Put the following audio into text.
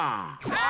あ！